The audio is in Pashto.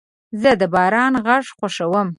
زه د باران غږ خوښوم.